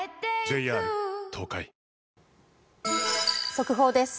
速報です。